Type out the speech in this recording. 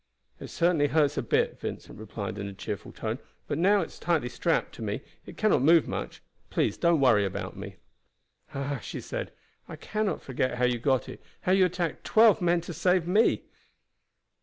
"It certainly hurts a bit," Vincent replied in a cheerful tone; "but now it is strapped tightly to me it cannot move much. Please do not worry about me." "Ah!" she said, "I cannot forget how you got it how you attacked twelve men to save me!"